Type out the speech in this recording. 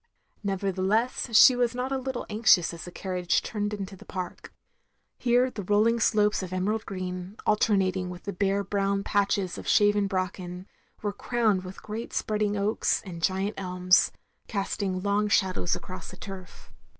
" Nevertheless she was not a little anxious as the carriage turned into the park. Here the rolling slopes of emerald green, alter nating with bare brown patches of shaven bracken, — ^were crowned with great spreading oaks, and giant elms, casting long shadows across the turf.